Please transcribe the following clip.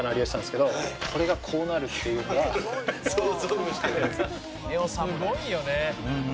「すごいよね」